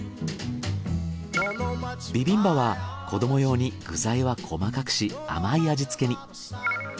ビビンバは子ども用に具材は細かくし甘い味付けに。